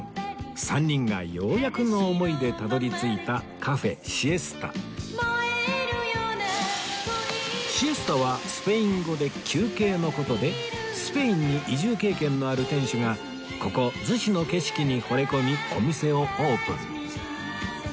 ３人がようやくの思いでたどり着いたシエスタはスペイン語で「休憩」の事でスペインに移住経験のある店主がここ逗子の景色に惚れ込みお店をオープン